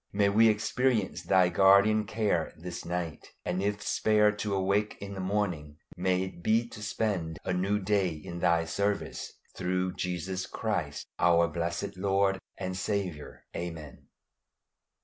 May we experience Thy guardian care this night; and if spared to awake in the morning, may it be to spend a new day in Thy service, through Jesus Christ, our blessed Lord and Saviour. Amen.